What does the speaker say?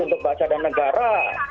untuk bahasa dan negara